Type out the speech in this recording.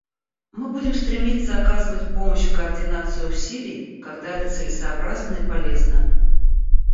Мы будем стремиться оказывать помощь в координации усилий, когда это целесообразно и полезно.